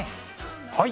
はい！